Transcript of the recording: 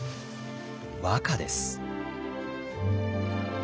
和歌です。